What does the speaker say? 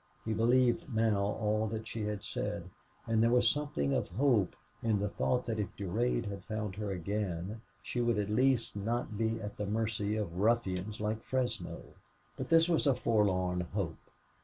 He believed now all that she had said; and there was something of hope in the thought that if Durade had found her again she would at least not be at the mercy of ruffians like Fresno. But this was a forlorn hope.